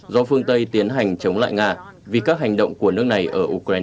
do phương tây tiến hành chống lại nga vì các hành động của nước này ở ukraine